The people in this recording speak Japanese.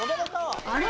あれ？